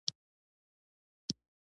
دوی د پیسو په اندازه مصرف کولای شي.